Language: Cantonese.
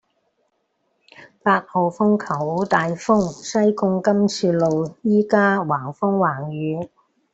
八號風球好大風，西貢甘澍路依家橫風橫雨